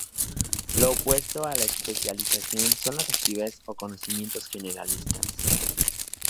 Lo opuesto a la especialización son las actividades o conocimientos generalistas.